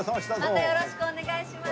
またよろしくお願いします。